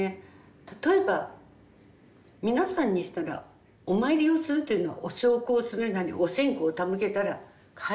例えば皆さんにしたらお参りをするというのはお焼香するなりお線香手向けたら帰りますよね。